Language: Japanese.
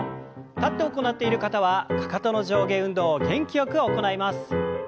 立って行っている方はかかとの上下運動を元気よく行います。